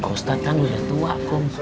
pak ustadz kan udah tua kom